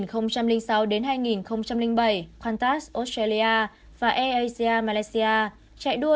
trong năm hai nghìn sáu đến hai nghìn bảy qantas australia và air asia malaysia chạy đua